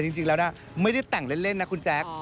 จริงแล้วนะไม่ได้แต่งเล่นนะคุณแจ๊ค